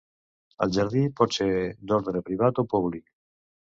El jardí pot ser d'ordre privat o públic.